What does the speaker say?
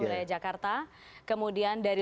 wilayah jakarta kemudian dari